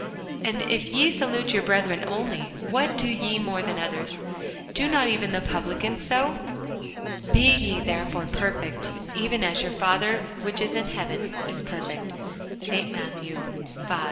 And if ye salute your brethren only, what do ye more than others? do not even the publicans so? Be ye therefore perfect, even as your Father which is in heaven is perfect. ST. MATTHEW, V.